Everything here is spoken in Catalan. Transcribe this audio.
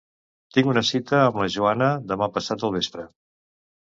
Tinc una cita amb la Joana demà passat al vespre.